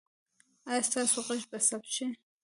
ایا ستاسو غږ به ثبت شي؟